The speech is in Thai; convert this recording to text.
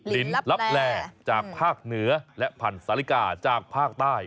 ลินลับแลจากภาคเหนือและพันธุ์สาลิกาจากภาคใต้